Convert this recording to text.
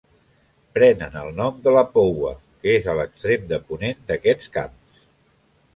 Prenen el nom de la Poua, que és a l'extrem de ponent d'aquests camps.